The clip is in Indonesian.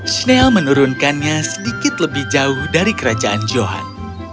shell menurunkannya sedikit lebih jauh dari kerajaan johan